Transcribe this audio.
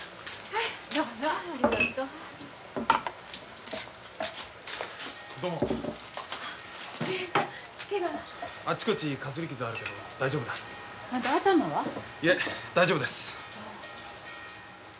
いえ大丈夫です。